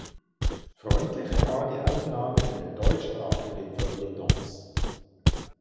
Freundlicher war die Aufnahme in den deutschsprachigen Feuilletons.